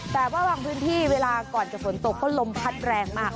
แต่ว่าบางพื้นที่เวลาก่อนจะฝนตกก็ลมพัดแรงมาก